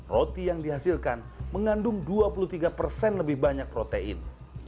roti yang dihasilkan mengandung dua puluh tiga persen lebih banyak protein